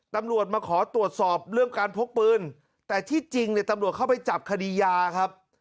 ตำรวจมาขอตรวจสอบเรื่องการพกปืนแต่ที่จริงเนี่ยตำรวจเข้าไปจับคดียาครับ